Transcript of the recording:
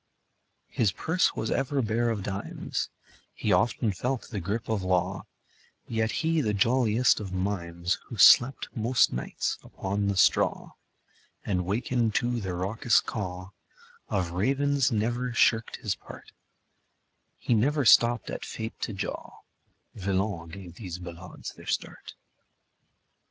His purse was ever bare of dimes; He often felt the grip of law; Yet he, the jolliest of mimes, Who slept most nights upon the straw And wakened to the raucous caw Of ravens, never shirked his part; He never stopped at fate to jaw Villon gave these ballades their start.